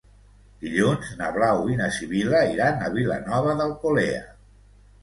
Dilluns na Blau i na Sibil·la iran a Vilanova d'Alcolea.